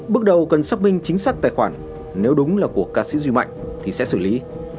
bước đầu cần xác minh chính xác tài khoản nếu đúng là của ca sĩ duy mạnh thì sẽ xử lý